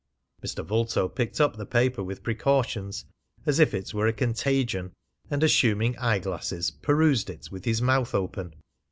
Mr. Vulto picked up the paper with precautions, as if it were a contagion, and, assuming eye glasses, perused it with his mouth open.